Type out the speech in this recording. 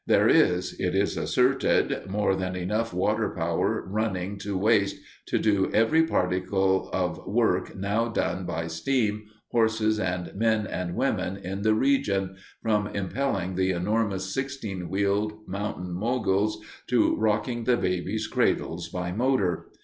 There is, it is asserted, more than enough water power running to waste to do every particle of work now done by steam, horses, and men and women in the region, from impelling the enormous sixteen wheeled mountain Moguls to rocking the babies' cradles by motor.